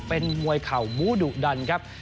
เป็นมวยเข่าบูดุดันครับ